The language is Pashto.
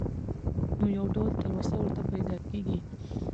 نو يو ډول تلوسه ورته پېدا کيږي.